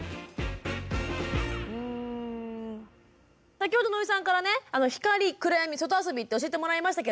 先ほど野井さんからね「光・暗闇・外遊び」って教えてもらいましたけれども